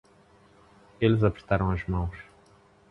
Eles apertaram as mãos.